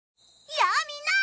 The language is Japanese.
やあみんな！